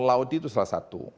tol laut itu salah satu